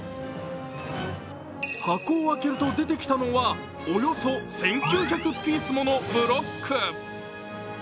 箱を開けると出てきたのはおよそ１９００ピースものブロック。